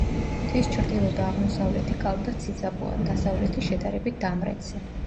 მთის ჩრდილო და აღმოსავლეთი კალთა ციცაბოა, დასავლეთი შედარებით დამრეცი.